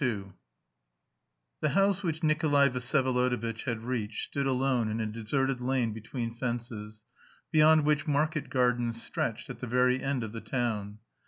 II The house which Nikolay Vsyevolodovitch had reached stood alone in a deserted lane between fences, beyond which market gardens stretched, at the very end of the town.